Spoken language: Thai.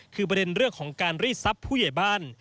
คือประเด็นเรื่องของการรีดทรัพย์ผู้ใหญ่บ้าน